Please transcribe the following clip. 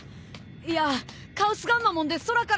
いやカウスガンマモンで空から。